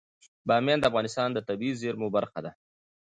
بامیان د افغانستان د طبیعي زیرمو برخه ده.